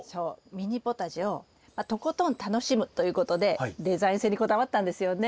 ミニポタジェをとことん楽しむということでデザイン性にこだわったんですよね。